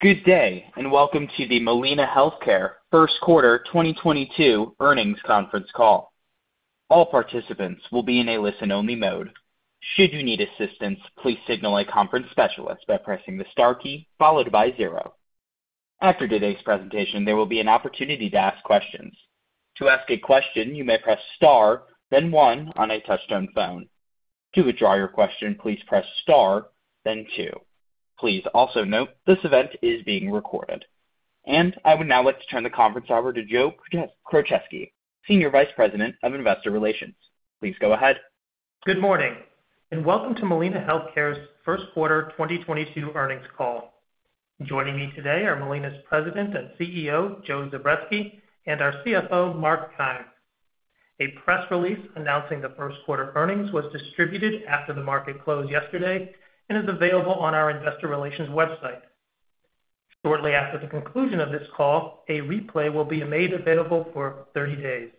Good day, and welcome to the Molina Healthcare First Quarter 2022 Earnings Conference Call. All participants will be in a listen-only mode. Should you need assistance, please signal a conference specialist by pressing the star key followed by zero. After today's presentation, there will be an opportunity to ask questions. To ask a question, you may press star, then one on a touch-tone phone. To withdraw your question, please press star then two. Please also note this event is being recorded. I would now like to turn the conference over to Joe Krocheski, Senior Vice President of Investor Relations. Please go ahead. Good morning, and welcome to Molina Healthcare's first quarter 2022 earnings call. Joining me today are Molina's President and CEO, Joe Zubretsky, and our CFO, Mark Keim. A press release announcing the first quarter earnings was distributed after the market closed yesterday and is available on our investor relations website. Shortly after the conclusion of this call, a replay will be made available for 30 days.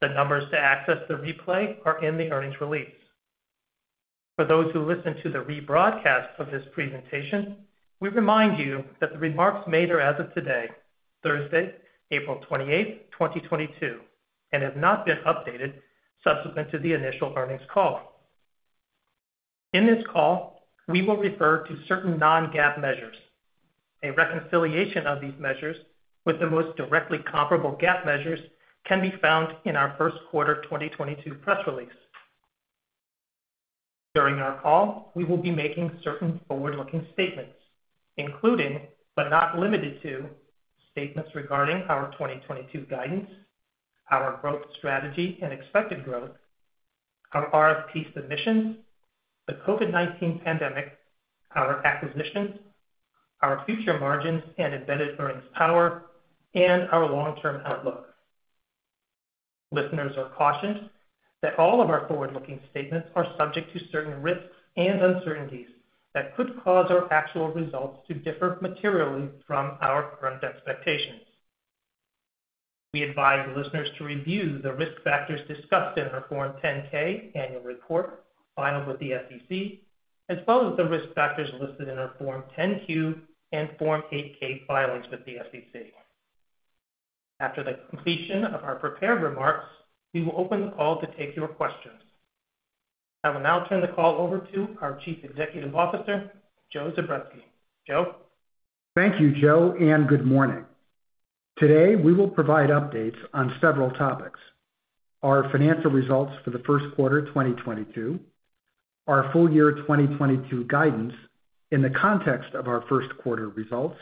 The numbers to access the replay are in the earnings release. For those who listen to the rebroadcast of this presentation, we remind you that the remarks made are as of today, Thursday, April 28th, 2022, and have not been updated subsequent to the initial earnings call. In this call, we will refer to certain non-GAAP measures. A reconciliation of these measures with the most directly comparable GAAP measures can be found in our first quarter 2022 press release. During our call, we will be making certain forward-looking statements, including, but not limited to, statements regarding our 2022 guidance, our growth strategy and expected growth, our RFP submissions, the COVID-19 pandemic, our acquisitions, our future margins and embedded earnings power, and our long-term outlook. Listeners are cautioned that all of our forward-looking statements are subject to certain risks and uncertainties that could cause our actual results to differ materially from our current expectations. We advise listeners to review the risk factors discussed in our Form 10-K annual report filed with the SEC, as well as the risk factors listed in our Form 10-Q and Form 8-K filings with the SEC. After the completion of our prepared remarks, we will open the call to take your questions. I will now turn the call over to our Chief Executive Officer, Joe Zubretsky. Joe. Thank you, Joe, and good morning. Today, we will provide updates on several topics, our financial results for the first quarter 2022, our full year 2022 guidance in the context of our first quarter results,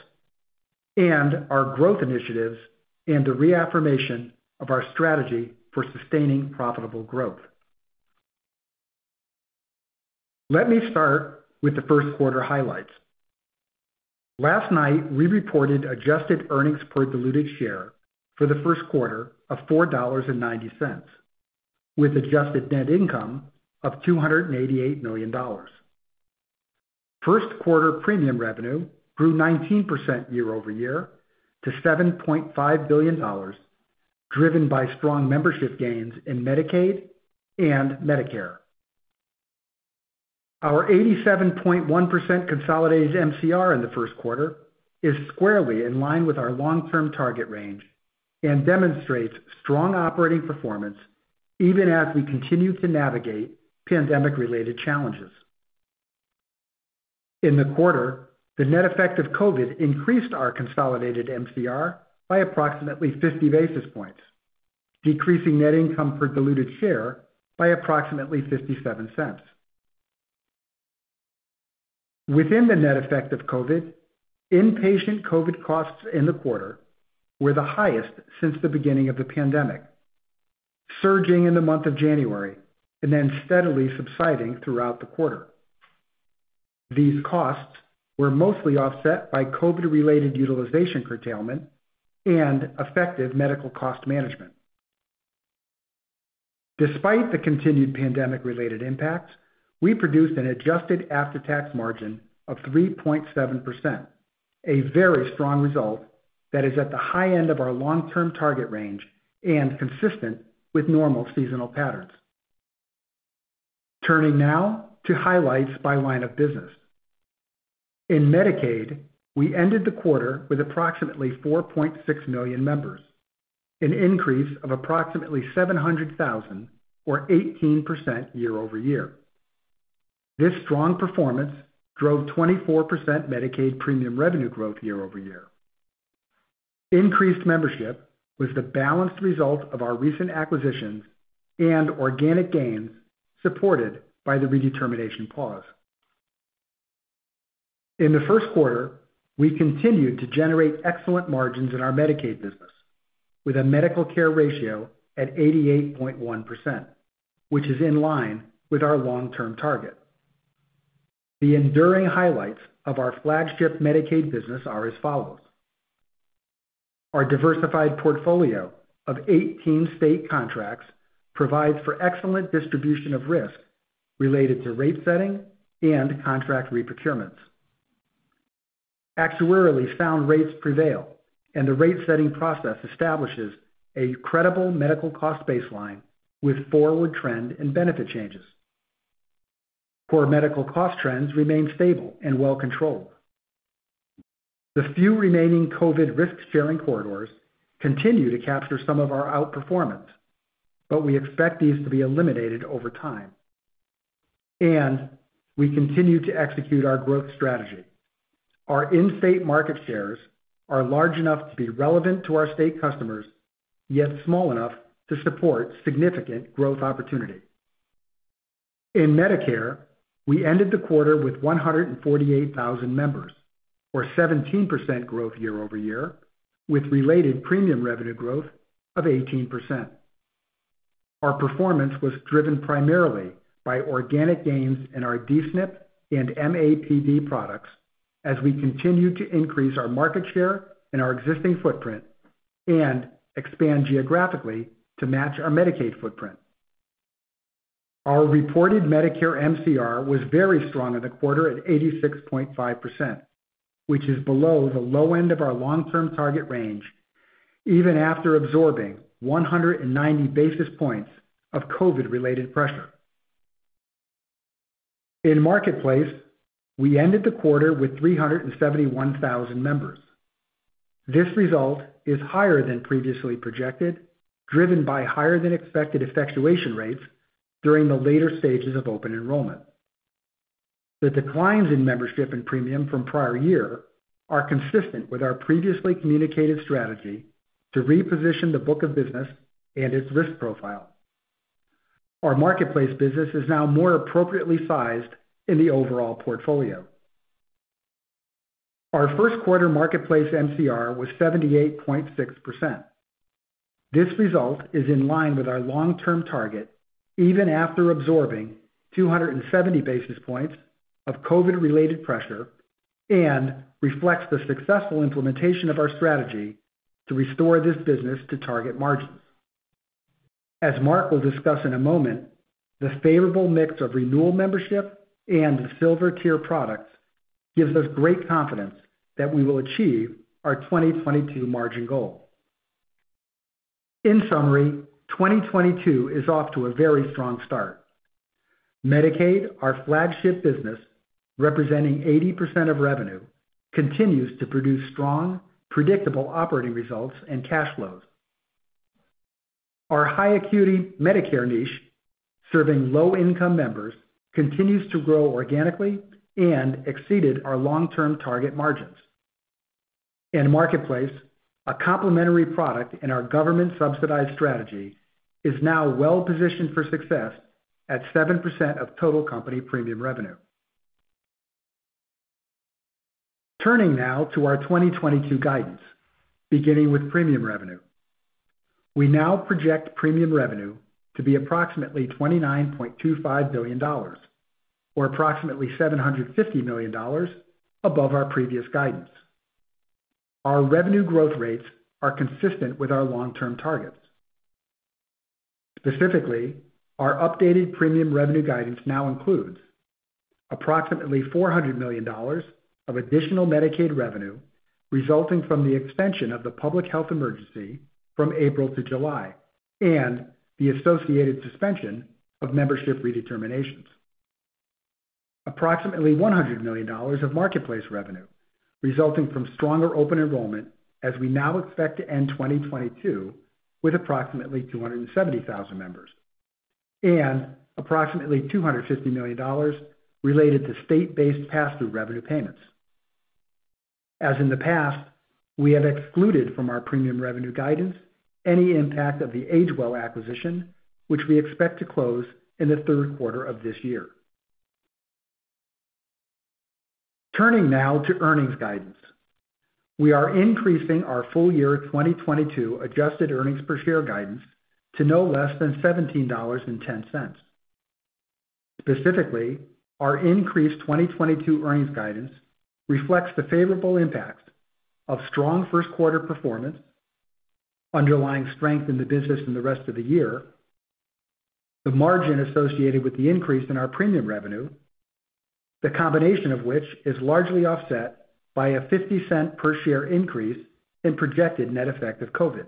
and our growth initiatives and the reaffirmation of our strategy for sustaining profitable growth. Let me start with the first quarter highlights. Last night, we reported adjusted earnings per diluted share for the first quarter of $4.90, with adjusted net income of $288 million. First quarter premium revenue grew 19% year-over-year to $7.5 billion, driven by strong membership gains in Medicaid and Medicare. Our 87.1% consolidated MCR in the first quarter is squarely in line with our long-term target range and demonstrates strong operating performance even as we continue to navigate pandemic-related challenges. In the quarter, the net effect of COVID increased our consolidated MCR by approximately 50 basis points, decreasing net income per diluted share by approximately $0.57. Within the net effect of COVID, inpatient COVID costs in the quarter were the highest since the beginning of the pandemic, surging in the month of January and then steadily subsiding throughout the quarter. These costs were mostly offset by COVID-related utilization curtailment and effective medical cost management. Despite the continued pandemic-related impacts, we produced an adjusted after-tax margin of 3.7%, a very strong result that is at the high end of our long-term target range and consistent with normal seasonal patterns. Turning now to highlights by line of business. In Medicaid, we ended the quarter with approximately 4.6 million members, an increase of approximately 700,000 or 18% year-over-year. This strong performance drove 24% Medicaid premium revenue growth year-over-year. Increased membership was the balanced result of our recent acquisitions and organic gains supported by the redetermination pause. In the first quarter, we continued to generate excellent margins in our Medicaid business with a medical care ratio at 88.1%, which is in line with our long-term target. The enduring highlights of our flagship Medicaid business are as follows. Our diversified portfolio of 18 state contracts provides for excellent distribution of risk related to rate setting and contract reprocurements. Actuarially sound rates prevail, and the rate-setting process establishes a credible medical cost baseline with forward trend and benefit changes. Core medical cost trends remain stable and well controlled. The few remaining COVID risk-sharing corridors continue to capture some of our outperformance, but we expect these to be eliminated over time, and we continue to execute our growth strategy. Our in-state market shares are large enough to be relevant to our state customers, yet small enough to support significant growth opportunity. In Medicare, we ended the quarter with 148,000 members, or 17% growth year-over-year, with related premium revenue growth of 18%. Our performance was driven primarily by organic gains in our DSNP and MAPD products as we continue to increase our market share in our existing footprint and expand geographically to match our Medicaid footprint. Our reported Medicare MCR was very strong in the quarter at 86.5%, which is below the low end of our long-term target range, even after absorbing 190 basis points of COVID-related pressure. In Marketplace, we ended the quarter with 371,000 members. This result is higher than previously projected, driven by higher than expected effectuation rates during the later stages of open enrollment. The declines in membership and premium from prior year are consistent with our previously communicated strategy to reposition the book of business and its risk profile. Our Marketplace business is now more appropriately sized in the overall portfolio. Our first quarter Marketplace MCR was 78.6%. This result is in line with our long-term target, even after absorbing 270 basis points of COVID-related pressure and reflects the successful implementation of our strategy to restore this business to target margins. As Mark will discuss in a moment, the favorable mix of renewal membership and the silver tier products gives us great confidence that we will achieve our 2022 margin goal. In summary, 2022 is off to a very strong start. Medicaid, our flagship business, representing 80% of revenue, continues to produce strong, predictable operating results and cash flows. Our high acuity Medicare niche, serving low-income members, continues to grow organically and exceeded our long-term target margins. In Marketplace, a complementary product in our government subsidized strategy is now well-positioned for success at 7% of total company premium revenue. Turning now to our 2022 guidance, beginning with premium revenue. We now project premium revenue to be approximately $29.25 billion, or approximately $750 million above our previous guidance. Our revenue growth rates are consistent with our long-term targets. Specifically, our updated premium revenue guidance now includes approximately $400 million of additional Medicaid revenue resulting from the extension of the public health emergency from April to July and the associated suspension of membership redeterminations. Approximately $100 million of Marketplace revenue resulting from stronger open enrollment as we now expect to end 2022 with approximately 270,000 members, and approximately $250 million related to state-based pass-through revenue payments. As in the past, we have excluded from our premium revenue guidance any impact of the AgeWell acquisition, which we expect to close in the third quarter of this year. Turning now to earnings guidance. We are increasing our full year 2022 adjusted earnings per share guidance to no less than $17.10. Specifically, our increased 2022 earnings guidance reflects the favorable impact of strong first quarter performance, underlying strength in the business in the rest of the year, the margin associated with the increase in our premium revenue, the combination of which is largely offset by a $0.50 per share increase in projected net effect of COVID.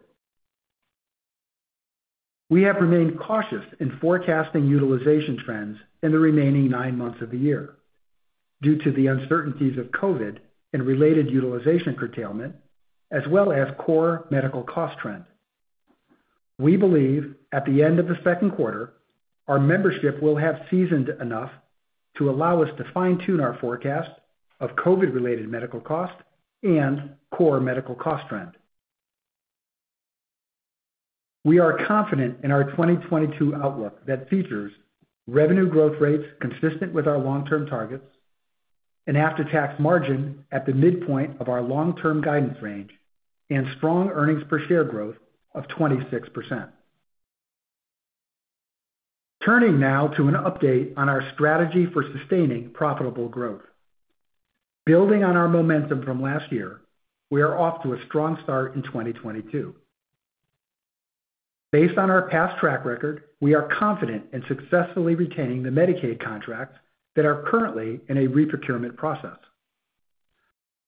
We have remained cautious in forecasting utilization trends in the remaining nine months of the year due to the uncertainties of COVID and related utilization curtailment, as well as core medical cost trends. We believe at the end of the second quarter, our membership will have seasoned enough to allow us to fine-tune our forecast of COVID-related medical costs and core medical cost trends. We are confident in our 2022 outlook that features revenue growth rates consistent with our long-term targets, an after-tax margin at the midpoint of our long-term guidance range, and strong earnings per share growth of 26%. Turning now to an update on our strategy for sustaining profitable growth. Building on our momentum from last year, we are off to a strong start in 2022. Based on our past track record, we are confident in successfully retaining the Medicaid contracts that are currently in a re-procurement process.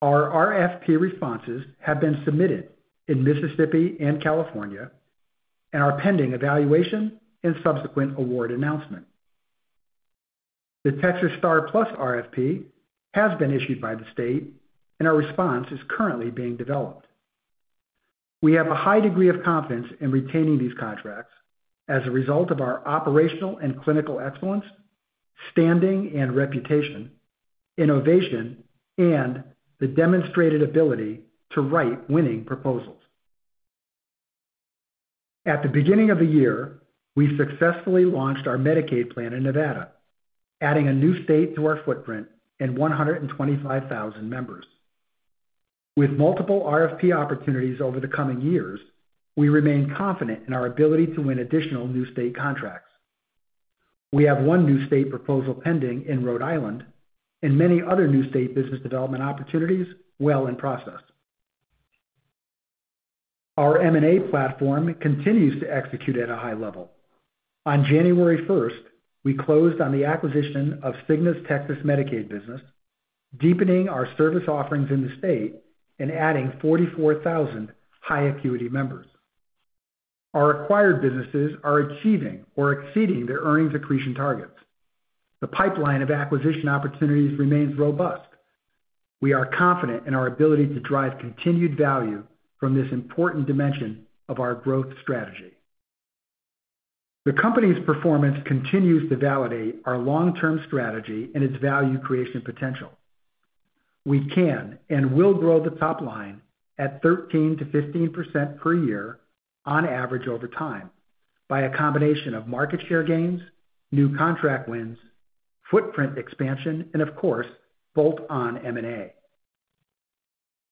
Our RFP responses have been submitted in Mississippi and California and are pending evaluation and subsequent award announcement. The Texas STAR+PLUS RFP has been issued by the state, and our response is currently being developed. We have a high degree of confidence in retaining these contracts as a result of our operational and clinical excellence, standing and reputation, innovation, and the demonstrated ability to write winning proposals. At the beginning of the year, we successfully launched our Medicaid plan in Nevada, adding a new state to our footprint and 125,000 members. With multiple RFP opportunities over the coming years, we remain confident in our ability to win additional new state contracts. We have one new state proposal pending in Rhode Island and many other new state business development opportunities well in process. Our M&A platform continues to execute at a high level. On January 1st, we closed on the acquisition of Cigna's Texas Medicaid business, deepening our service offerings in the state and adding 44,000 high acuity members. Our acquired businesses are achieving or exceeding their earnings accretion targets. The pipeline of acquisition opportunities remains robust. We are confident in our ability to drive continued value from this important dimension of our growth strategy. The company's performance continues to validate our long-term strategy and its value creation potential. We can and will grow the top line at 13%-15% per year on average over time by a combination of market share gains, new contract wins, footprint expansion, and of course, bolt-on M&A.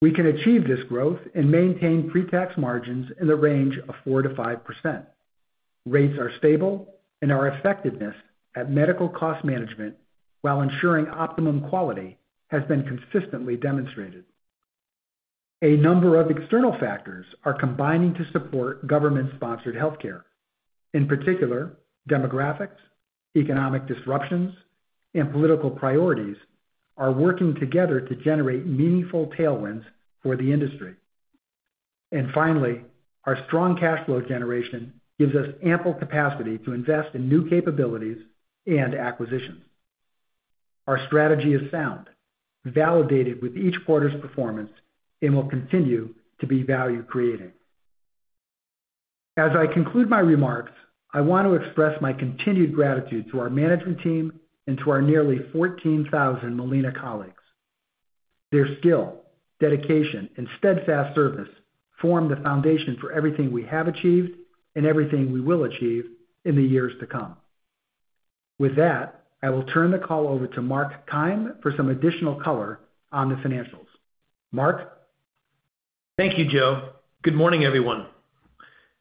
We can achieve this growth and maintain pre-tax margins in the range of 4%-5%. Rates are stable and our effectiveness at medical cost management while ensuring optimum quality has been consistently demonstrated. A number of external factors are combining to support government-sponsored healthcare. In particular, demographics, economic disruptions, and political priorities are working together to generate meaningful tailwinds for the industry. Finally, our strong cash flow generation gives us ample capacity to invest in new capabilities and acquisitions. Our strategy is sound, validated with each quarter's performance, and will continue to be value-creating. As I conclude my remarks, I want to express my continued gratitude to our management team and to our nearly 14,000 Molina colleagues. Their skill, dedication, and steadfast service form the foundation for everything we have achieved and everything we will achieve in the years to come. With that, I will turn the call over to Mark Keim for some additional color on the financials. Mark? Thank you, Joe. Good morning, everyone.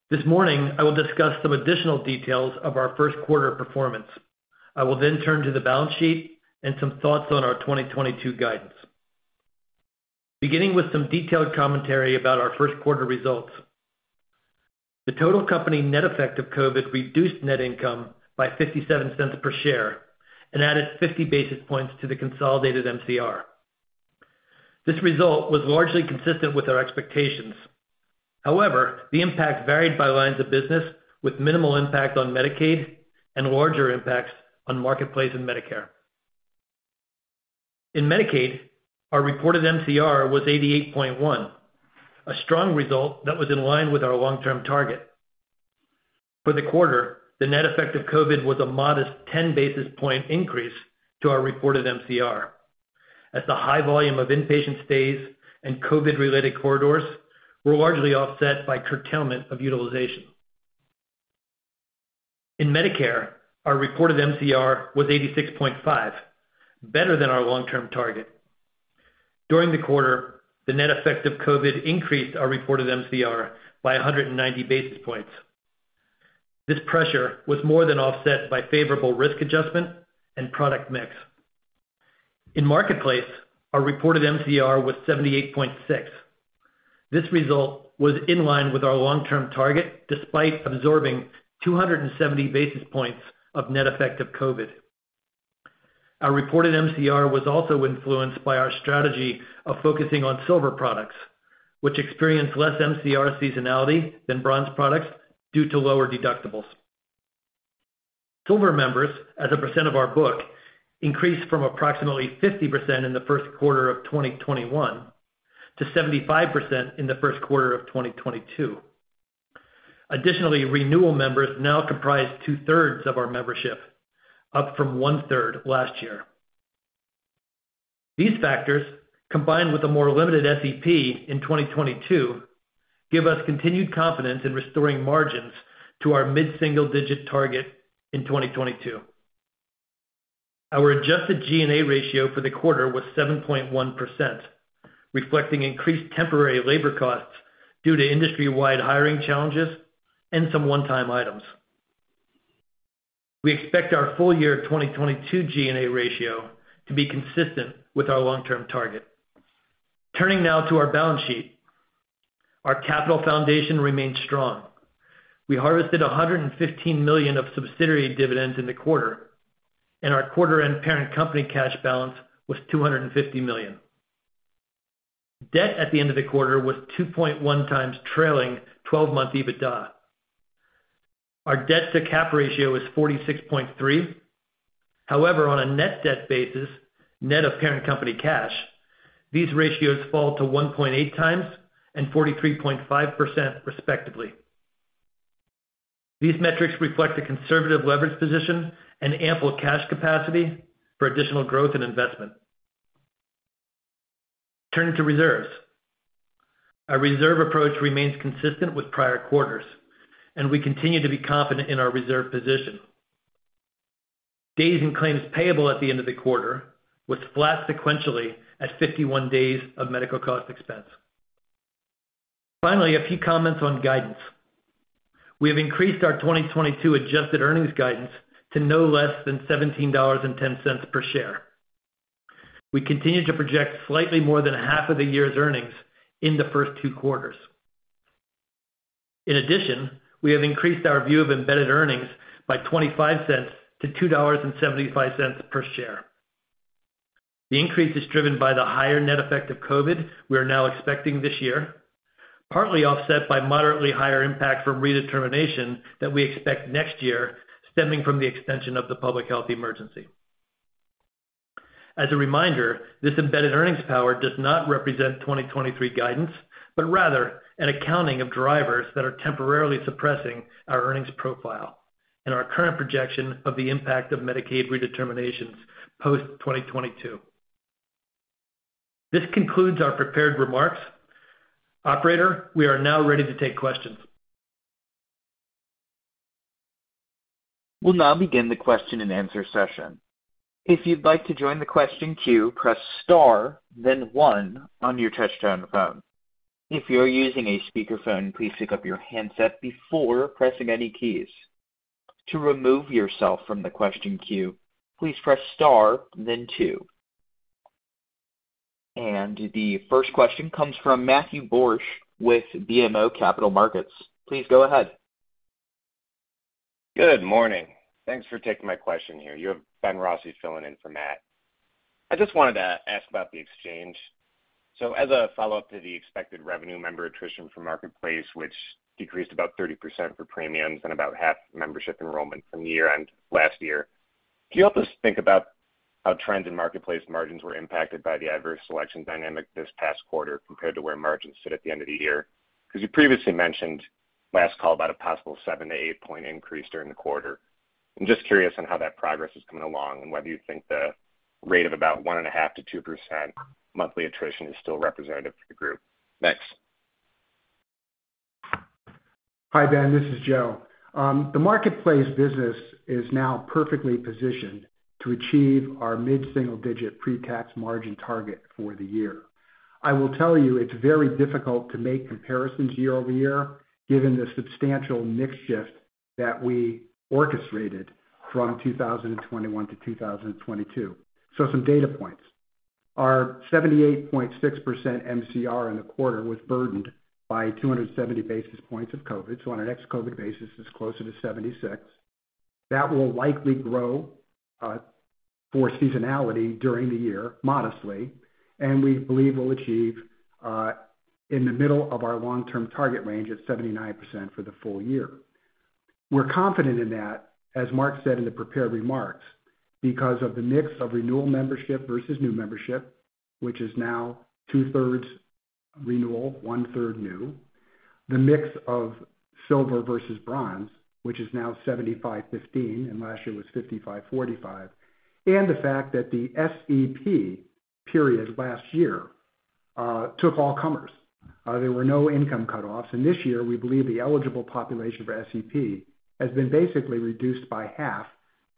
This morning, I will discuss some additional details of our first quarter performance. I will then turn to the balance sheet and some thoughts on our 2022 guidance. Beginning with some detailed commentary about our first quarter results. The total company net effect of COVID reduced net income by $0.57 per share and added 50 basis points to the consolidated MCR. This result was largely consistent with our expectations. However, the impact varied by lines of business, with minimal impact on Medicaid and larger impacts on Marketplace and Medicare. In Medicaid, our reported MCR was 88.1, a strong result that was in line with our long-term target. For the quarter, the net effect of COVID was a modest 10 basis point increase to our reported MCR. As the high volume of inpatient stays and COVID-related care were largely offset by curtailment of utilization. In Medicare, our reported MCR was 86.5, better than our long-term target. During the quarter, the net effect of COVID increased our reported MCR by 190 basis points. This pressure was more than offset by favorable risk adjustment and product mix. In Marketplace, our reported MCR was 78.6. This result was in line with our long-term target, despite absorbing 270 basis points of net effect of COVID. Our reported MCR was also influenced by our strategy of focusing on silver products, which experience less MCR seasonality than bronze products due to lower deductibles. Silver members, as a percent of our book, increased from approximately 50% in the first quarter of 2021 to 75% in the first quarter of 2022. Additionally, renewal members now comprise 2/3 of our membership, up from 1/3 last year. These factors, combined with a more limited SEP in 2022, give us continued confidence in restoring margins to our mid-single-digit target in 2022. Our adjusted G&A ratio for the quarter was 7.1%, reflecting increased temporary labor costs due to industry-wide hiring challenges and some one-time items. We expect our full year of 2022 G&A ratio to be consistent with our long-term target. Turning now to our balance sheet. Our capital foundation remains strong. We harvested $115 million of subsidiary dividends in the quarter, and our quarter-end parent company cash balance was $250 million. Debt at the end of the quarter was 2.1x trailing twelve-month EBITDA. Our debt-to-cap ratio is 46.3%. However, on a net debt basis, net of parent company cash, these ratios fall to 1.8x and 43.5% respectively. These metrics reflect a conservative leverage position and ample cash capacity for additional growth and investment. Turning to reserves. Our reserve approach remains consistent with prior quarters, and we continue to be confident in our reserve position. Days in claims payable at the end of the quarter was flat sequentially at 51 days of medical cost expense. Finally, a few comments on guidance. We have increased our 2022 adjusted earnings guidance to no less than $17.10 per share. We continue to project slightly more than half of the year's earnings in the first two quarters. In addition, we have increased our view of embedded earnings by $0.25-$2.75 per share. The increase is driven by the higher net effect of COVID we are now expecting this year, partly offset by moderately higher impact from redetermination that we expect next year, stemming from the extension of the public health emergency. As a reminder, this embedded earnings power does not represent 2023 guidance, but rather an accounting of drivers that are temporarily suppressing our earnings profile and our current projection of the impact of Medicaid redeterminations post-2022. This concludes our prepared remarks. Operator, we are now ready to take questions. We'll now begin the question-and-answer session. If you'd like to join the question queue, press star then one on your touch-tone phone. If you're using a speakerphone, please pick up your handset before pressing any keys. To remove yourself from the question queue, please press star then two. The first question comes from Matthew Borsch with BMO Capital Markets. Please go ahead. Good morning. Thanks for taking my question here. You have Ben Rossi filling in for Matt. I just wanted to ask about the exchange. As a follow-up to the expected revenue member attrition from Marketplace, which decreased about 30% for premiums and about half membership enrollment from year-end last year. Can you help us think about how trends in Marketplace margins were impacted by the adverse selection dynamic this past quarter compared to where margins sit at the end of the year? Because you previously mentioned last call about a possible 7-8 point increase during the quarter. I'm just curious on how that progress is coming along and whether you think the rate of about 1.5%-2% monthly attrition is still representative for the group. Thanks. Hi, Ben, this is Joe. The Marketplace business is now perfectly positioned to achieve our mid-single-digit pre-tax margin target for the year. I will tell you it's very difficult to make comparisons year-over-year given the substantial mix shift that we orchestrated from 2021 to 2022. Some data points. Our 78.6% MCR in the quarter was burdened by 270 basis points of COVID, so on a non-COVID basis, it's closer to 76%. That will likely grow for seasonality during the year modestly, and we believe we'll achieve in the middle of our long-term target range at 79% for the full year. We're confident in that, as Mark said in the prepared remarks, because of the mix of renewal membership versus new membership, which is now 2/3 renewal, 1/3 new, the mix of silver versus bronze, which is now 75/15, and last year was 55/45, and the fact that the SEP period last year took all comers. There were no income cut-offs, and this year we believe the eligible population for SEP has been basically reduced by half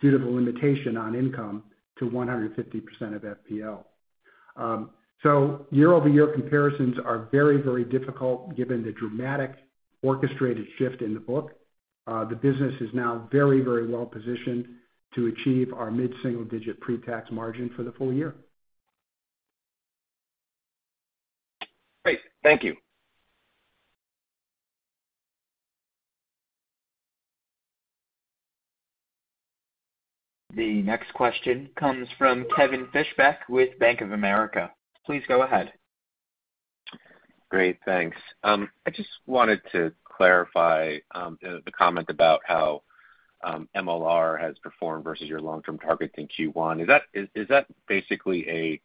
due to the limitation on income to 150% of FPL. So year-over-year comparisons are very, very difficult given the dramatic orchestrated shift in the book. The business is now very, very well positioned to achieve our mid-single-digit pre-tax margin for the full year. Great. Thank you. The next question comes from Kevin Fischbeck with Bank of America. Please go ahead. Great. Thanks. I just wanted to clarify the comment about how MLR has performed versus your long-term target in Q1. Is that basically a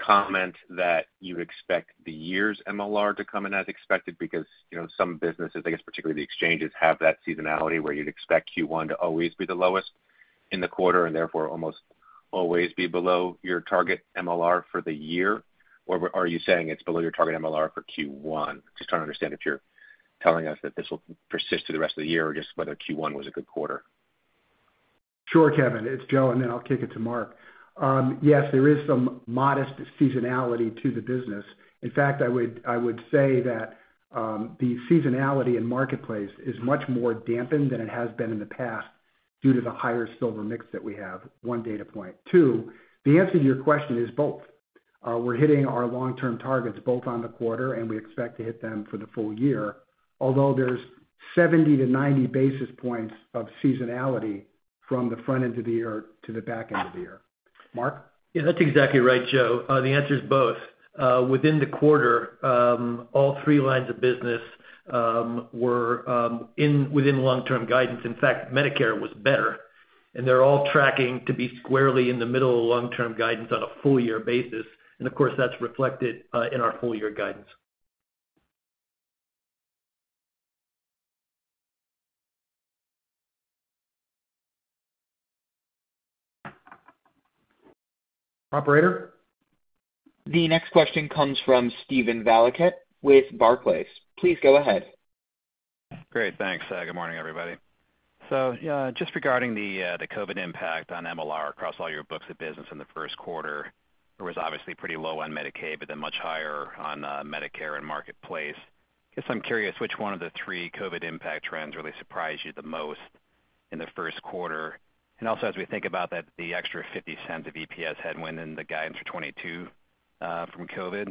comment that you expect the year's MLR to come in as expected? Because, you know, some businesses, I guess particularly the exchanges, have that seasonality where you'd expect Q1 to always be the lowest in the quarter and therefore almost always be below your target MLR for the year. Or are you saying it's below your target MLR for Q1? Just trying to understand if you're telling us that this will persist through the rest of the year or just whether Q1 was a good quarter. Sure, Kevin. It's Joe, and then I'll kick it to Mark. Yes, there is some modest seasonality to the business. In fact, I would say that the seasonality in Marketplace is much more dampened than it has been in the past. Due to the higher silver mix that we have, one data point. Two, the answer to your question is both. We're hitting our long-term targets both on the quarter, and we expect to hit them for the full year. Although there's 70-90 basis points of seasonality from the front end of the year to the back end of the year. Mark? Yeah, that's exactly right, Joe. The answer is both. Within the quarter, all three lines of business were within long-term guidance. In fact, Medicare was better, and they're all tracking to be squarely in the middle of long-term guidance on a full year basis. Of course, that's reflected in our full year guidance. Operator? The next question comes from Steven Valiquette with Barclays. Please go ahead. Great. Thanks. Good morning, everybody. Just regarding the COVID impact on MLR across all your books of business in the first quarter. It was obviously pretty low on Medicaid, but then much higher on Medicare and Marketplace. Guess I'm curious which one of the three COVID impact trends really surprised you the most in the first quarter. Also, as we think about that, the extra $0.50 of EPS headwind in the guidance for 2022 from COVID,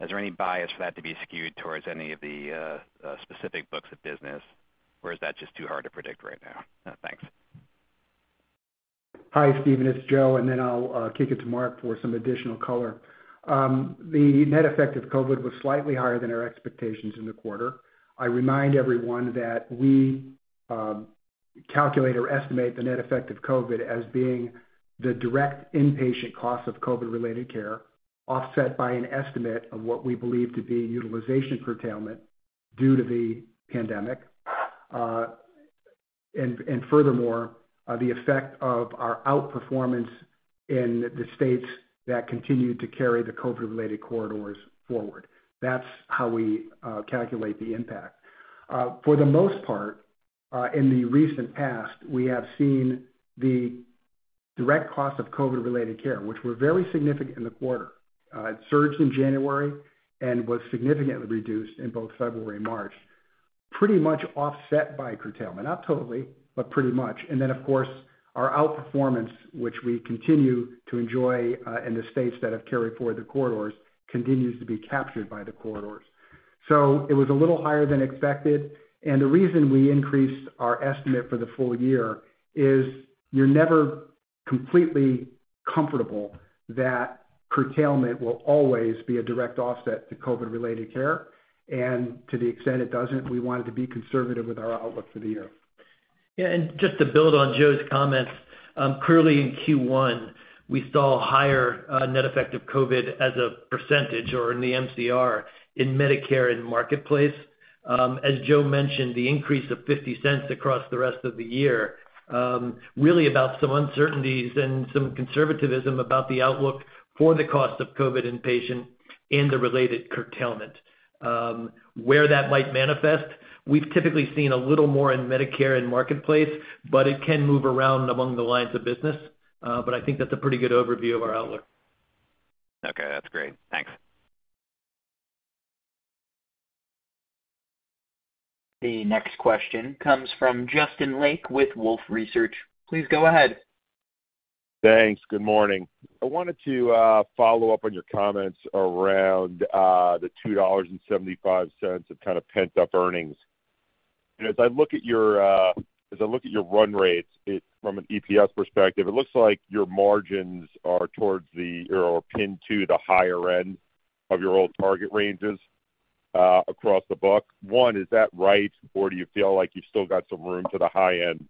is there any bias for that to be skewed towards any of the specific books of business? Or is that just too hard to predict right now? Thanks. Hi, Steven, it's Joe. I'll kick it to Mark for some additional color. The net effect of COVID was slightly higher than our expectations in the quarter. I remind everyone that we calculate or estimate the net effect of COVID as being the direct inpatient costs of COVID-related care, offset by an estimate of what we believe to be utilization curtailment due to the pandemic. Furthermore, the effect of our outperformance in the states that continued to carry the COVID-related corridors forward. That's how we calculate the impact. For the most part, in the recent past, we have seen the direct cost of COVID-related care, which were very significant in the quarter. It surged in January and was significantly reduced in both February and March, pretty much offset by curtailment. Not totally, but pretty much. Of course, our outperformance, which we continue to enjoy, in the states that have carried forward the corridors, continues to be captured by the corridors. It was a little higher than expected, and the reason we increased our estimate for the full year is you're never completely comfortable that curtailment will always be a direct offset to COVID-related care. To the extent it doesn't, we wanted to be conservative with our outlook for the year. Yeah, just to build on Joe's comments, clearly in Q1, we saw higher net effect of COVID as a percentage or in the MCR in Medicare and Marketplace. As Joe mentioned, the increase of $0.50 across the rest of the year really about some uncertainties and some conservatism about the outlook for the cost of COVID inpatient and the related curtailment. Where that might manifest, we've typically seen a little more in Medicare and Marketplace, but it can move around among the lines of business. I think that's a pretty good overview of our outlook. Okay, that's great. Thanks. The next question comes from Justin Lake with Wolfe Research. Please go ahead. Thanks. Good morning. I wanted to follow up on your comments around the $2.75 of kind of pent-up earnings. As I look at your run rates, from an EPS perspective, it looks like your margins are towards the or are pinned to the higher end of your old target ranges across the book. One, is that right? Or do you feel like you've still got some room to the high end?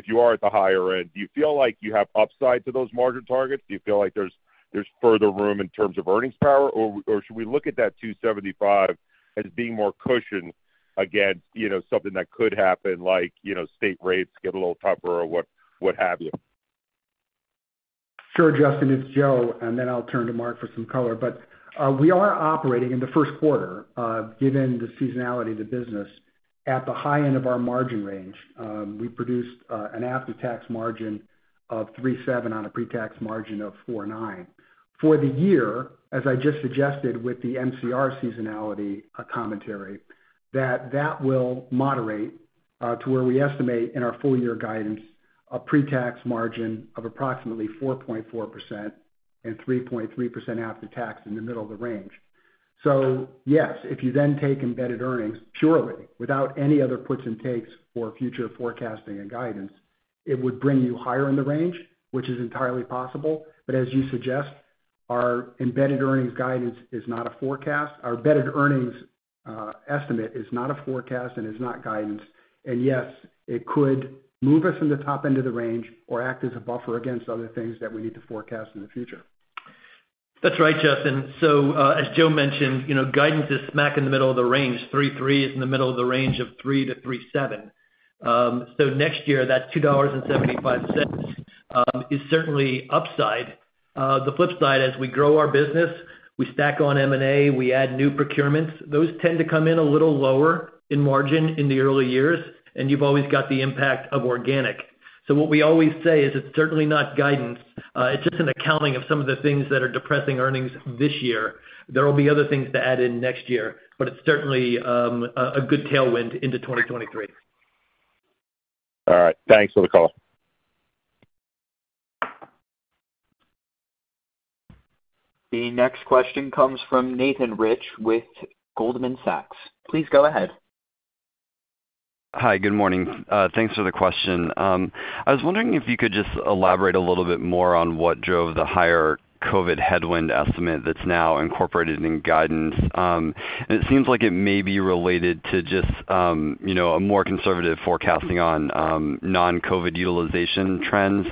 If you are at the higher end, do you feel like you have upside to those margin targets? Do you feel like there's further room in terms of earnings power? Should we look at that $2.75 as being more cushion against, you know, something that could happen like, you know, state rates get a little tougher or what have you? Sure, Justin, it's Joe, and then I'll turn to Mark for some color. We are operating in the first quarter, given the seasonality of the business, at the high end of our margin range. We produced an after-tax margin of 3.7% on a pre-tax margin of 4.9%. For the year, as I just suggested with the MCR seasonality commentary, that will moderate to where we estimate in our full year guidance, a pre-tax margin of approximately 4.4% and 3.3% after tax in the middle of the range. Yes, if you then take embedded earnings, surely without any other puts and takes for future forecasting and guidance, it would bring you higher in the range, which is entirely possible. As you suggest, our embedded earnings guidance is not a forecast. Our embedded earnings, estimate is not a forecast and is not guidance. Yes, it could move us in the top end of the range or act as a buffer against other things that we need to forecast in the future. That's right, Justin. As Joe mentioned, you know, guidance is smack in the middle of the range. 3.3 is in the middle of the range of 3-3.7. Next year, that $2.75 is certainly upside. The flip side, as we grow our business, we stack on M&A, we add new procurements. Those tend to come in a little lower in margin in the early years, and you've always got the impact of organic. What we always say is it's certainly not guidance, it's just an accounting of some of the things that are depressing earnings this year. There will be other things to add in next year, but it's certainly a good tailwind into 2023. All right. Thanks for the call. The next question comes from Nathan Rich with Goldman Sachs. Please go ahead. Hi. Good morning. Thanks for the question. I was wondering if you could just elaborate a little bit more on what drove the higher COVID headwind estimate that's now incorporated in guidance. It seems like it may be related to just, you know, a more conservative forecasting on non-COVID utilization trends.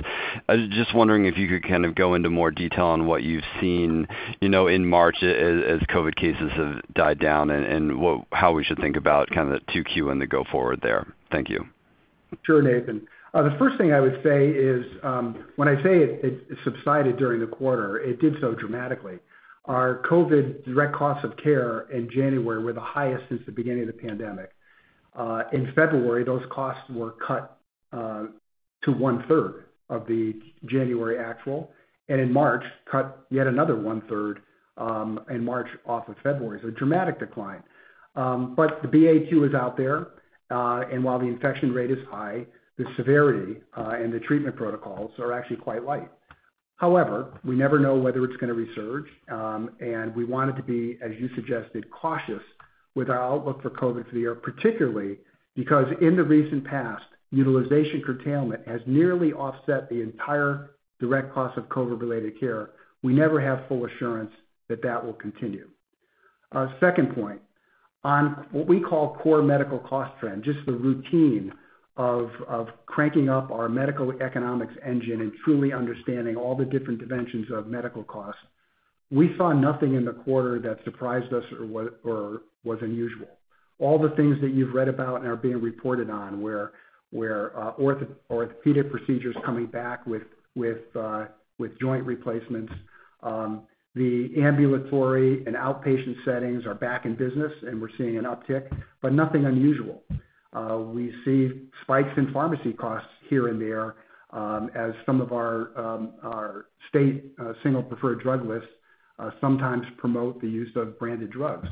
I was just wondering if you could kind of go into more detail on what you've seen, you know, in March as COVID cases have died down and how we should think about kind of the 2Q in the go forward there. Thank you. Sure, Nathan. The first thing I would say is, when I say it subsided during the quarter, it did so dramatically. Our COVID direct cost of care in January were the highest since the beginning of the pandemic. In February, those costs were cut to one third of the January actual, and in March, cut yet another one third off of February. A dramatic decline. But the BA.2 is out there, and while the infection rate is high, the severity and the treatment protocols are actually quite light. However, we never know whether it's gonna resurge, and we want it to be, as you suggested, cautious with our outlook for COVID for the year, particularly because in the recent past, utilization curtailment has nearly offset the entire direct cost of COVID-related care. We never have full assurance that that will continue. Second point on what we call core medical cost trend, just the routine of cranking up our medical economics engine and truly understanding all the different dimensions of medical costs. We saw nothing in the quarter that surprised us or was unusual. All the things that you've read about and are being reported on where orthopedic procedures coming back with joint replacements. The ambulatory and outpatient settings are back in business, and we're seeing an uptick, but nothing unusual. We see spikes in pharmacy costs here and there, as some of our state single preferred drug lists sometimes promote the use of branded drugs.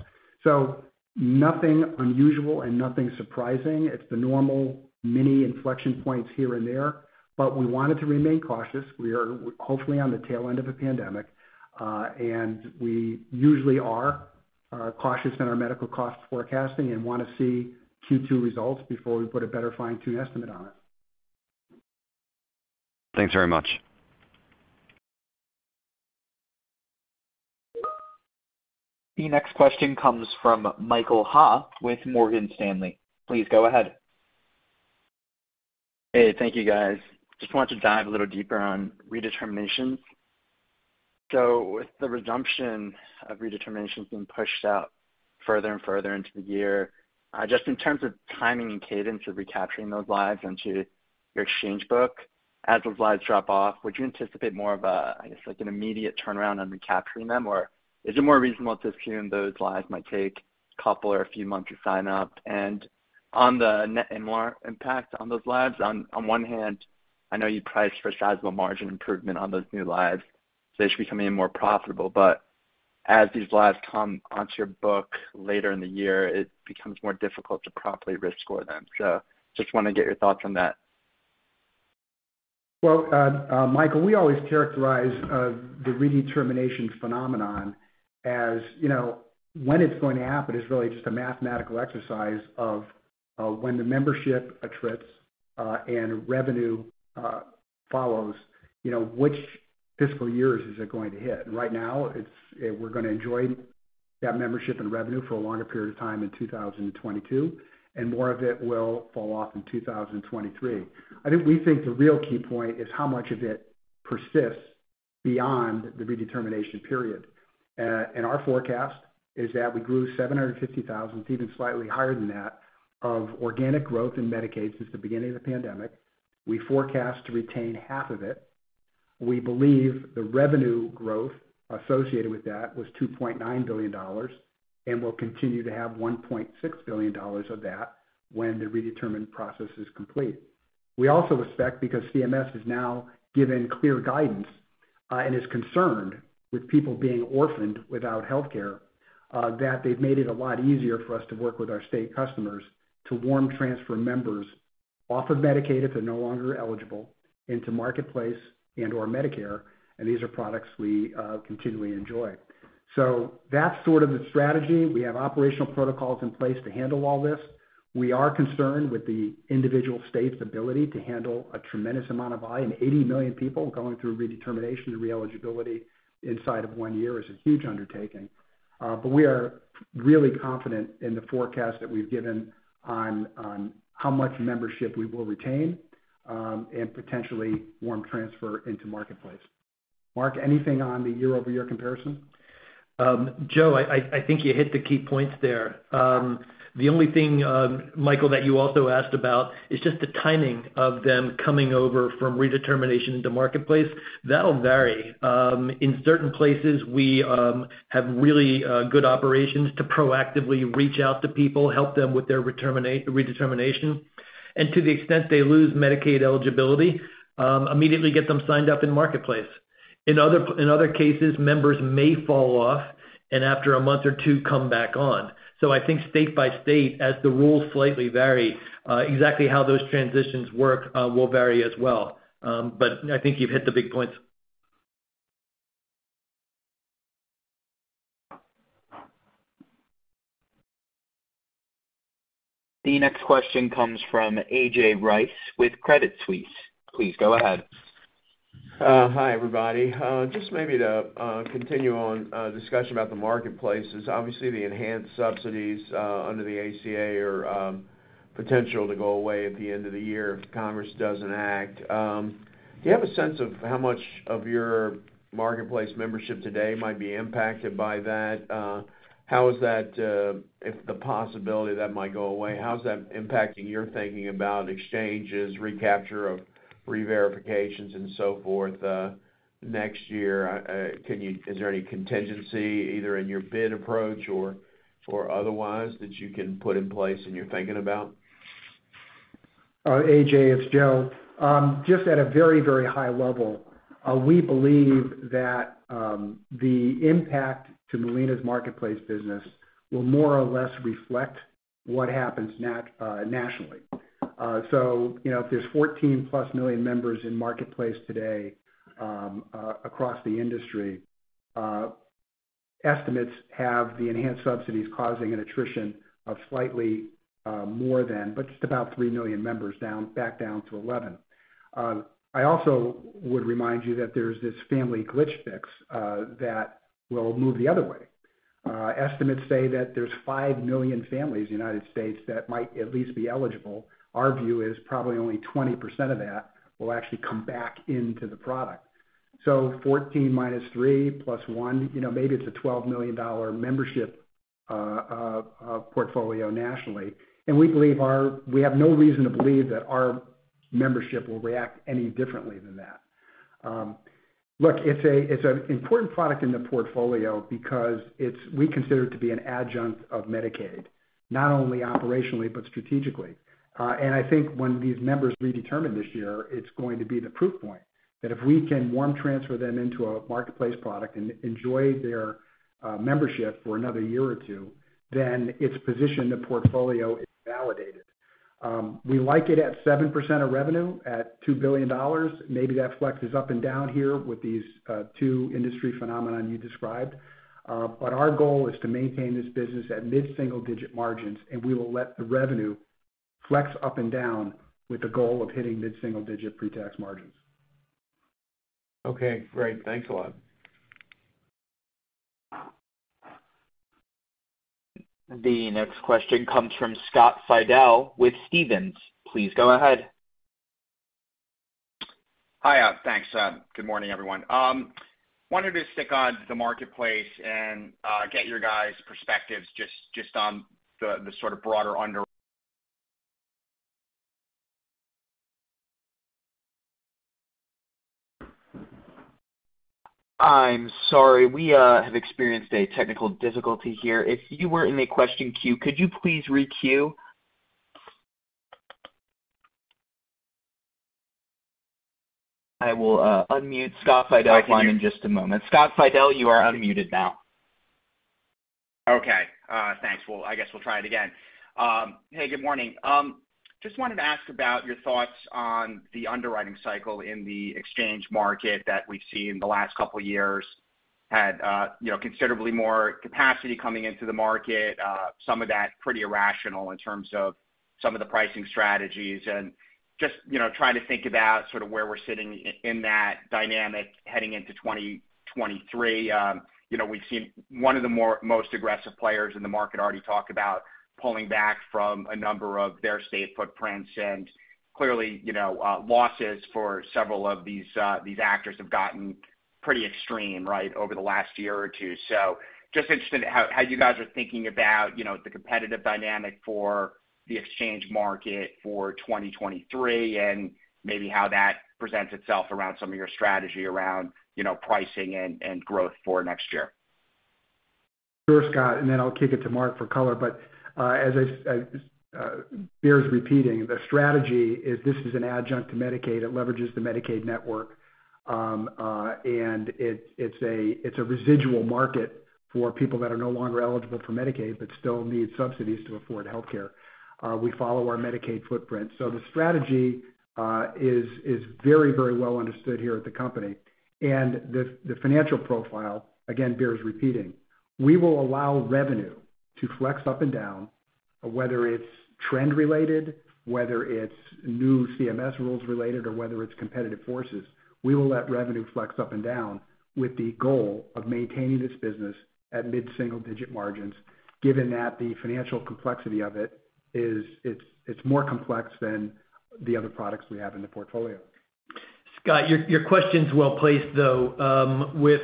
Nothing unusual and nothing surprising. It's the normal mini inflection points here and there, but we wanted to remain cautious. We are hopefully on the tail end of a pandemic, and we usually are cautious in our medical cost forecasting and wanna see Q2 results before we put a better fine-tuned estimate on it. Thanks very much. The next question comes from Michael Ha with Morgan Stanley. Please go ahead. Hey, thank you guys. Just want to dive a little deeper on redeterminations. With the resumption of redeterminations being pushed out further and further into the year, just in terms of timing and cadence of recapturing those lives into your exchange book, as those lives drop off, would you anticipate more of a, I guess, like an immediate turnaround on recapturing them? Or is it more reasonable to assume those lives might take a couple or a few months to sign up? On the net MLR impact on those lives, on one hand, I know you priced for sizable margin improvement on those new lives, so they should be coming in more profitable. As these lives come onto your book later in the year, it becomes more difficult to properly risk score them. Just wanna get your thoughts on that. Well, Michael, we always characterize the redetermination phenomenon as, you know, when it's going to happen is really just a mathematical exercise of when the membership attrits and revenue follows, you know, which fiscal years is it going to hit. Right now, it's we're gonna enjoy that membership and revenue for a longer period of time in 2022, and more of it will fall off in 2023. I think we think the real key point is how much of it persists beyond the redetermination period. Our forecast is that we grew 750,000, it's even slightly higher than that, of organic growth in Medicaid since the beginning of the pandemic. We forecast to retain half of it. We believe the revenue growth associated with that was $2.9 billion, and we'll continue to have $1.6 billion of that when the redetermination process is complete. We also expect because CMS has now given clear guidance, and is concerned with people being orphaned without healthcare, that they've made it a lot easier for us to work with our state customers to warm transfer members off of Medicaid if they're no longer eligible into Marketplace and/or Medicare, and these are products we continually enjoy. That's sort of the strategy. We have operational protocols in place to handle all this. We are concerned with the individual state's ability to handle a tremendous amount of volume. 80 million people going through redetermination and re-eligibility inside of one year is a huge undertaking. We are really confident in the forecast that we've given on how much membership we will retain, and potentially warm transfer into Marketplace. Mark, anything on the year-over-year comparison? Joe, I think you hit the key points there. The only thing, Michael, that you also asked about is just the timing of them coming over from redetermination into Marketplace. That'll vary. In certain places we have really good operations to proactively reach out to people, help them with their redetermination. To the extent they lose Medicaid eligibility, immediately get them signed up in Marketplace. In other cases, members may fall off and after a month or two come back on. I think state by state, as the rules slightly vary, exactly how those transitions work, will vary as well. I think you've hit the big points. The next question comes from A.J. Rice with Credit Suisse. Please go ahead. Hi, everybody. Just maybe to continue on discussion about the marketplaces. Obviously, the enhanced subsidies under the ACA are potential to go away at the end of the year if Congress doesn't act. Do you have a sense of how much of your marketplace membership today might be impacted by that? How is that, if the possibility that might go away, how is that impacting your thinking about exchanges, recapture of reverifications and so forth next year? Is there any contingency either in your bid approach or otherwise that you can put in place and you're thinking about? A.J., it's Joe. Just at a very high level, we believe that the impact to Molina's Marketplace business will more or less reflect what happens nationally. You know, if there's 14+ million members in Marketplace today, across the industry, estimates have the enhanced subsidies causing an attrition of slightly more than, but just about three million members down, back down to 11. I also would remind you that there's this family glitch fix that will move the other way. Estimates say that there's five million families in the United States that might at least be eligible. Our view is probably only 20% of that will actually come back into the product. 14 minus three plus one, you know, maybe it's a 12 million-member portfolio nationally. We believe we have no reason to believe that our membership will react any differently than that. Look, it's an important product in the portfolio because we consider it to be an adjunct of Medicaid, not only operationally but strategically. I think when these members redetermine this year, it's going to be the proof point that if we can, one, transfer them into a Marketplace product and enjoy their membership for another year or two, then it's positioned, the portfolio is validated. We like it at 7% of revenue at $2 billion. Maybe that flexes up and down here with these two industry phenomenon you described. Our goal is to maintain this business at mid-single-digit margins, and we will let the revenue flex up and down with the goal of hitting mid-single-digit pre-tax margins. Okay, great. Thanks a lot. The next question comes from Scott Fidel with Stephens. Please go ahead. Hi. Thanks. Good morning, everyone. Wanted to stick on the Marketplace and get your guys' perspectives just on the sort of broader under- I'm sorry. We have experienced a technical difficulty here. If you were in the question queue, could you please re-queue? I will unmute Scott Fidel in just a moment. Scott Fidel, you are unmuted now. Okay, thanks. Well, I guess we'll try it again. Hey, good morning. Just wanted to ask about your thoughts on the underwriting cycle in the exchange market that we've seen the last couple of years had, you know, considerably more capacity coming into the market, some of that pretty irrational in terms of some of the pricing strategies. Just, you know, trying to think about sort of where we're sitting in that dynamic heading into 2023. You know, we've seen one of the most aggressive players in the market already talk about pulling back from a number of their state footprints. Clearly, you know, losses for several of these actors have gotten pretty extreme, right, over the last year or two. Just interested in how you guys are thinking about, you know, the competitive dynamic for the exchange market for 2023 and maybe how that presents itself around some of your strategy around, you know, pricing and growth for next year? Sure, Scott, and then I'll kick it to Mark for color. As I say, it bears repeating, the strategy is this is an adjunct to Medicaid. It leverages the Medicaid network. It's a residual market for people that are no longer eligible for Medicaid but still need subsidies to afford healthcare. We follow our Medicaid footprint. The strategy is very, very well understood here at the company. The financial profile, again, bears repeating. We will allow revenue to flex up and down, whether it's trend related, whether it's new CMS rules related, or whether it's competitive forces. We will let revenue flex up and down with the goal of maintaining this business at mid-single digit margins, given that the financial complexity of it is more complex than the other products we have in the portfolio. Scott, your question's well-placed, though. With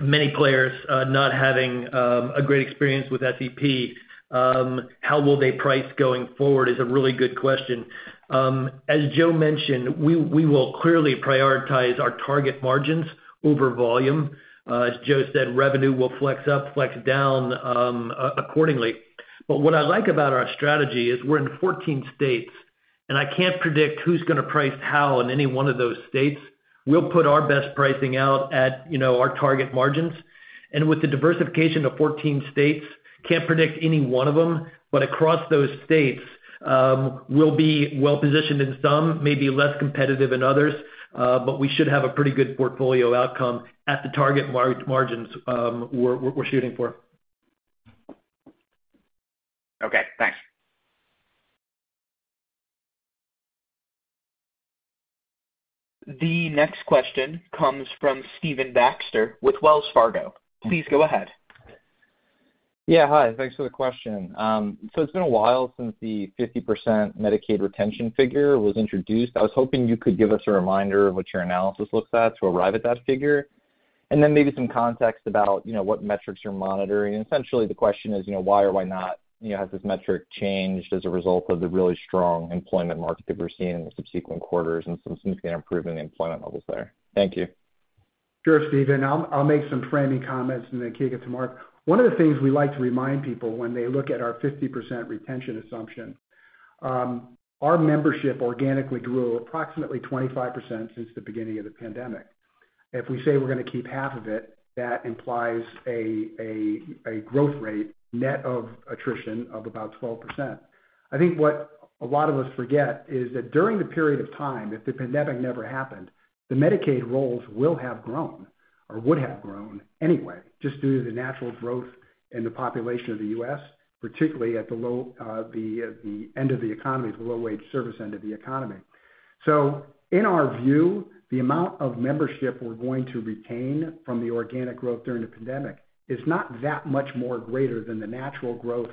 many players not having a great experience with SEP, how will they price going forward is a really good question. As Joe mentioned, we will clearly prioritize our target margins over volume. As Joe said, revenue will flex up, flex down accordingly. What I like about our strategy is we're in 14 states and I can't predict who's gonna price how in any one of those states. We'll put our best pricing out at, you know, our target margins. With the diversification of 14 states, can't predict any one of them, but across those states, we'll be well-positioned in some, maybe less competitive in others, but we should have a pretty good portfolio outcome at the target margins we're shooting for. Okay, thanks. The next question comes from Stephen Baxter with Wells Fargo. Please go ahead. Yeah. Hi, thanks for the question. So it's been a while since the 50% Medicaid retention figure was introduced. I was hoping you could give us a reminder of what your analysis looks at to arrive at that figure, and then maybe some context about, you know, what metrics you're monitoring. Essentially, the question is, you know, why or why not, you know, has this metric changed as a result of the really strong employment market that we're seeing in the subsequent quarters and some significant improvement in employment levels there? Thank you. Sure, Steven. I'll make some framing comments and then kick it to Mark. One of the things we like to remind people when they look at our 50% retention assumption, our membership organically grew approximately 25% since the beginning of the pandemic. If we say we're gonna keep half of it, that implies a growth rate net of attrition of about 12%. I think what a lot of us forget is that during the period of time, if the pandemic never happened, the Medicaid rolls will have grown or would have grown anyway, just due to the natural growth in the population of the U.S., particularly at the low end of the economy, the low-wage service end of the economy. In our view, the amount of membership we're going to retain from the organic growth during the pandemic is not that much more greater than the natural growth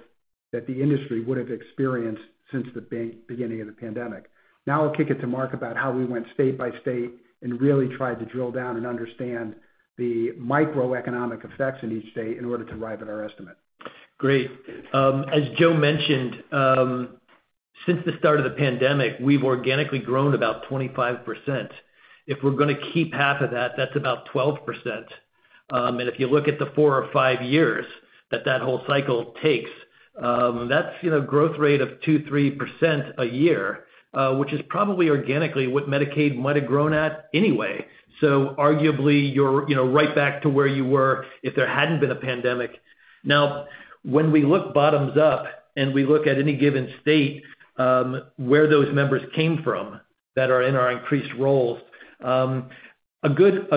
that the industry would have experienced since the beginning of the pandemic. Now, I'll kick it to Mark about how we went state by state and really tried to drill down and understand the microeconomic effects in each state in order to arrive at our estimate. Great. As Joe mentioned, since the start of the pandemic, we've organically grown about 25%. If we're gonna keep half of that's about 12%. And if you look at the four or five years that whole cycle takes, that's, you know, growth rate of 2%-3% a year, which is probably organically what Medicaid might have grown at anyway. Arguably, you're, you know, right back to where you were if there hadn't been a pandemic. Now, when we look bottoms up and we look at any given state, where those members came from that are in our increased roles, a good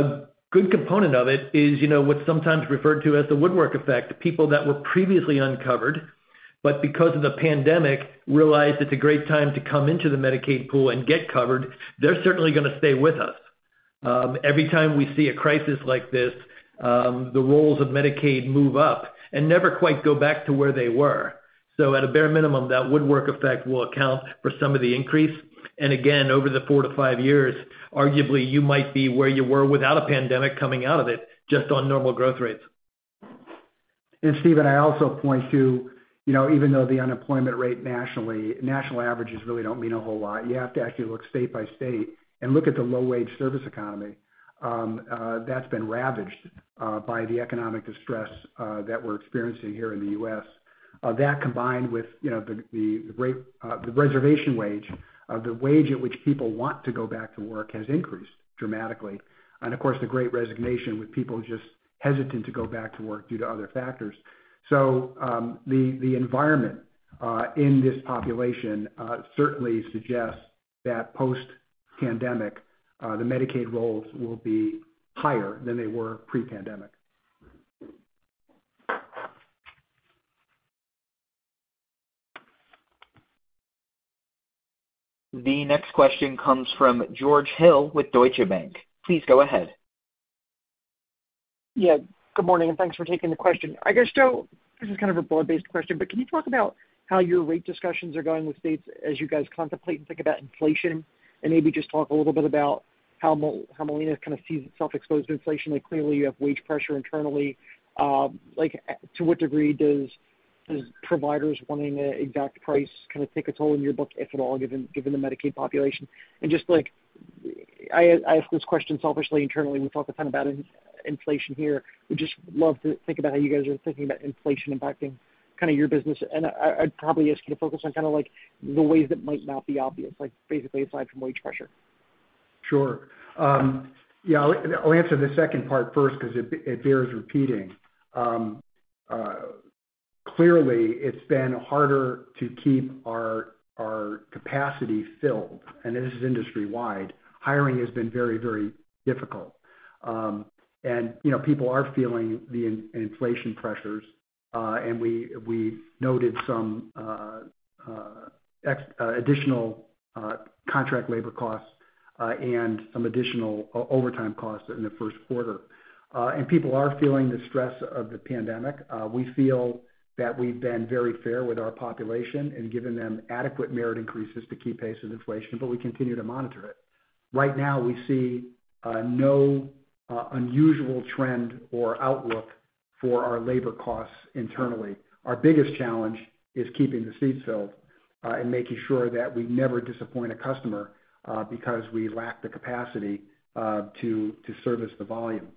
component of it is, you know, what's sometimes referred to as the woodwork effect. The people that were previously uncovered, but because of the pandemic realized it's a great time to come into the Medicaid pool and get covered, they're certainly gonna stay with us. Every time we see a crisis like this, the roles of Medicaid move up and never quite go back to where they were. At a bare minimum, that woodwork effect will account for some of the increase. Again, over the four to five years, arguably, you might be where you were without a pandemic coming out of it, just on normal growth rates. Steven, I also point to, you know, even though the unemployment rate nationally, national averages really don't mean a whole lot, you have to actually look state by state and look at the low-wage service economy, that's been ravaged by the economic distress that we're experiencing here in the U.S. That combined with, you know, the reservation wage, the wage at which people want to go back to work has increased dramatically. Of course, the Great Resignation with people just hesitant to go back to work due to other factors. The environment in this population certainly suggests that post-pandemic, the Medicaid rolls will be higher than they were pre-pandemic. The next question comes from George Hill with Deutsche Bank. Please go ahead. Yeah, good morning, and thanks for taking the question. I guess, Joe, this is kind of a broad-based question, but can you talk about how your rate discussions are going with states as you guys contemplate and think about inflation, and maybe just talk a little bit about how Molina kind of sees itself exposed to inflation? Like, clearly you have wage pressure internally. Like, to what degree does providers wanting an exact price kinda take a toll in your book, if at all, given the Medicaid population? And just like, I ask this question selfishly internally, we talk a ton about inflation here. Would just love to think about how you guys are thinking about inflation impacting kinda your business. I'd probably ask you to focus on kinda like the ways that might not be obvious, like basically aside from wage pressure. Sure. Yeah, I'll answer the second part first 'cause it bears repeating. Clearly it's been harder to keep our capacity filled, and this is industry-wide. Hiring has been very difficult. You know, people are feeling the inflation pressures, and we noted some additional contract labor costs, and some additional overtime costs in the first quarter. People are feeling the stress of the pandemic. We feel that we've been very fair with our population and given them adequate merit increases to keep pace with inflation, but we continue to monitor it. Right now, we see no unusual trend or outlook for our labor costs internally. Our biggest challenge is keeping the seats filled, and making sure that we never disappoint a customer, because we lack the capacity to service the volume.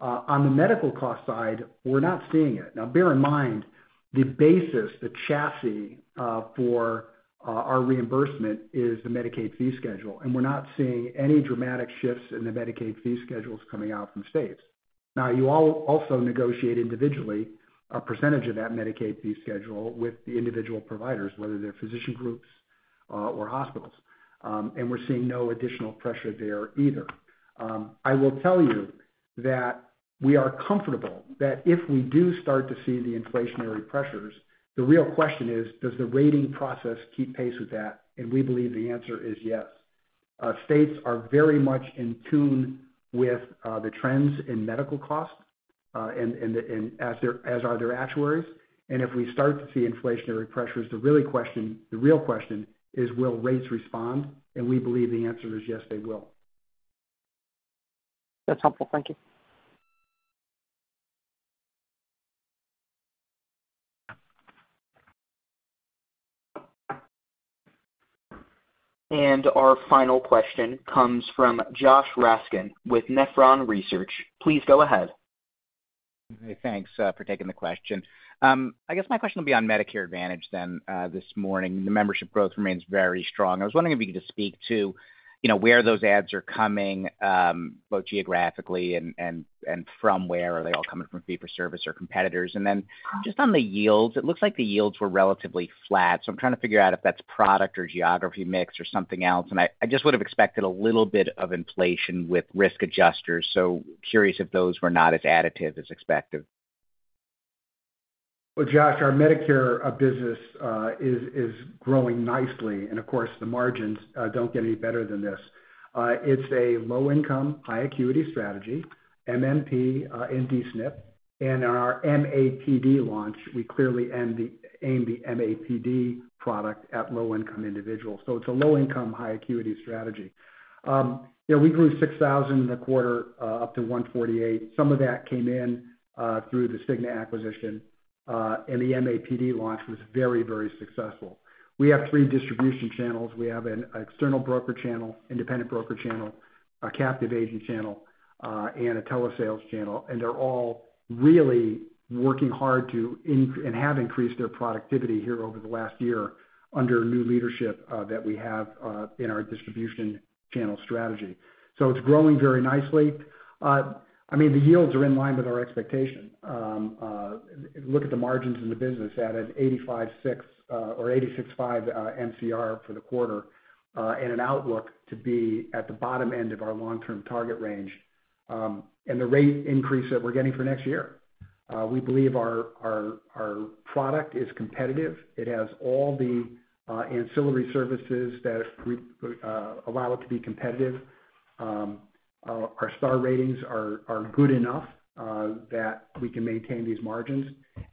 On the medical cost side, we're not seeing it. Now bear in mind, the basis, the chassis, for our reimbursement is the Medicaid fee schedule, and we're not seeing any dramatic shifts in the Medicaid fee schedules coming out from states. Now you all also negotiate individually a percentage of that Medicaid fee schedule with the individual providers, whether they're physician groups, or hospitals. We're seeing no additional pressure there either. I will tell you that we are comfortable that if we do start to see the inflationary pressures, the real question is, does the rating process keep pace with that? We believe the answer is yes. States are very much in tune with the trends in medical costs, and as are their actuaries. If we start to see inflationary pressures, the real question is, will rates respond? We believe the answer is yes, they will. That's helpful. Thank you. Our final question comes from Josh Raskin with Nephron Research. Please go ahead. Hey, thanks for taking the question. I guess my question will be on Medicare Advantage then this morning. The membership growth remains very strong. I was wondering if you could just speak to, you know, where those adds are coming both geographically and from where are they all coming from, fee-for-service or competitors. Then just on the yields, it looks like the yields were relatively flat. I'm trying to figure out if that's product or geography mix or something else. I just would have expected a little bit of inflation with risk adjusters. Curious if those were not as additive as expected. Well, Josh, our Medicare business is growing nicely. Of course, the margins don't get any better than this. It's a low-income, high-acuity strategy, MMP, and D-SNP. Our MAPD launch, we clearly aim the MAPD product at low-income individuals. It's a low-income, high-acuity strategy. We grew 6,000 in the quarter up to 148. Some of that came in through the Cigna acquisition, and the MAPD launch was very successful. We have three distribution channels. We have an external broker channel, independent broker channel, a captive agent channel, and a telesales channel. They're all really working hard and have increased their productivity here over the last year under new leadership that we have in our distribution channel strategy. It's growing very nicely. I mean, the yields are in line with our expectation. Look at the margins in the business at 85.6% or 86.5% MCR for the quarter, and an outlook to be at the bottom end of our long-term target range, and the rate increase that we're getting for next year. We believe our product is competitive. It has all the ancillary services that we allow it to be competitive. Our star ratings are good enough that we can maintain these margins.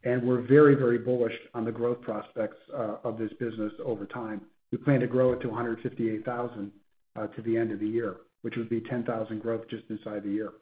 We're very, very bullish on the growth prospects of this business over time. We plan to grow it to 158,000 to the end of the year, which would be 10,000 growth just inside the year.